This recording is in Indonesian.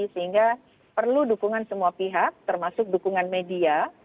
sehingga perlu dukungan semua pihak termasuk dukungan media